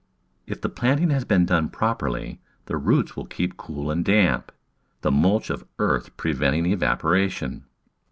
If the planting has been done properly the roots will keep cool and damp— the mulch of earth preventing evapora tion.